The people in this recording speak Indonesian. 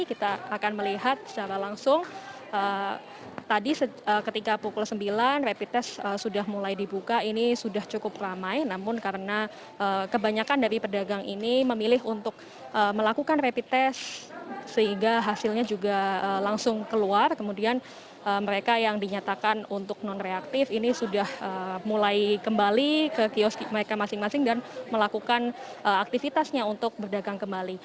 ini sudah mulai kembali ke kiosk mereka masing masing dan melakukan aktivitasnya untuk berdagang kembali